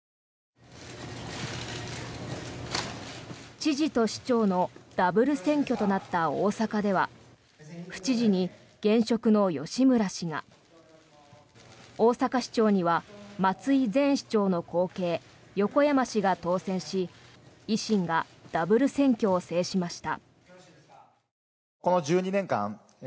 知事と市長のダブル選挙となった大阪では府知事に現職の吉村氏が大阪市長には松井前市長の後継横山氏が当選し維新がダブル選挙を制しました。